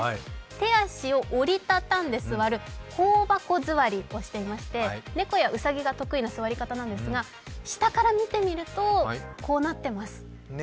手足を折り畳んで座る香箱座りをしていまして、猫やうさぎが得意な座り方なんですが、下から見てみると、こうなってます